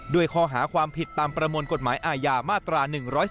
ด้วยข้อหาความผิดตามประมวลกฎหมายอาญามาตรา๑๔